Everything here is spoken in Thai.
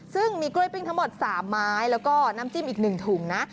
ซึ่งมีกล้วยปิ้งทั้งหมด๓ไม้แล้วก็น้ำจิ้มอีก๑ถุงนะ